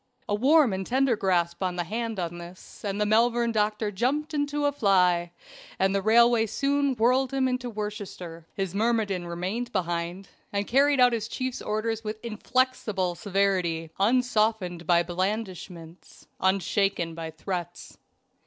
A warm and tender grasp of the hand on this, and the Malvern doctor jumped into a fly, and the railway soon whirled him into Worcestershire. His myrmidon remained behind and carried out his chief's orders with inflexible severity, unsoftened by blandishments, unshaken by threats.